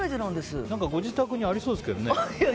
ご自宅にありそうですけどね。